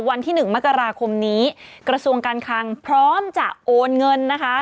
วันที่๑มกราคมนี้กระทรวงการคังพร้อมจะโอนเงินนะคะ